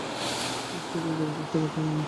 ওকে এড়িয়ে যাবার চেষ্টা করতাম আমি।